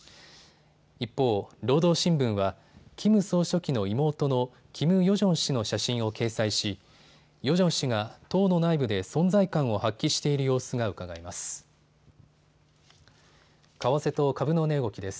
一方、労働新聞はキム総書記の妹のキム・ヨジョン氏の写真を掲載し、ヨジョン氏が党の内部で存在感を発揮している様子がうかがえます。